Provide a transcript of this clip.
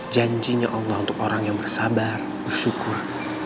janjinya allah untuk orang yang bersabar bersyukur